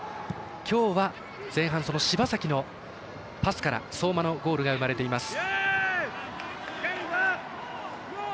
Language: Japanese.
今日は前半、柴崎のパスから相馬のゴールが生まれています。